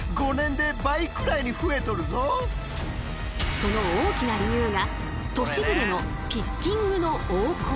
その大きな理由が都市部でのピッキングの横行。